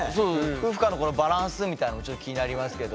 夫婦間のバランスみたいなのちょっと気になりますけど。